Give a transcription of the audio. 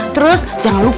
terus jangan lupa